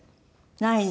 ないの？